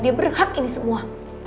dia berhak ini semua